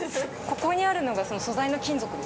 ここにあるのがその素材の金属ですか？